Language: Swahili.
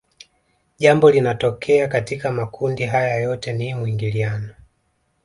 Jambo linalotokea katika makundi haya yote ni mwingiliano